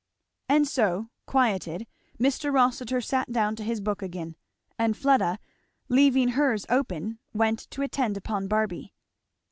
And so, quieted, Mr. Rossitur sat down to his book again; and Fleda leaving hers open went to attend upon Barby.